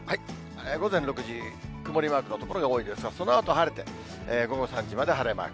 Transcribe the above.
午前６時、曇りマークの所が多いですが、そのあと晴れて、午後３時まで晴れマーク。